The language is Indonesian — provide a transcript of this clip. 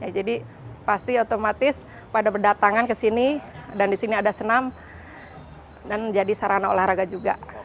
jadi pasti otomatis pada berdatangan kesini dan disini ada senam dan jadi sarana olahraga juga